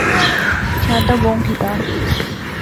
شاردا بہوں کی دا